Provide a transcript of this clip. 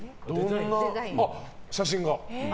あ、写真が。